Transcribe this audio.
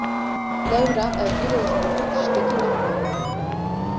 Lewra ev du roj bû ku tiştekî nexwaribû.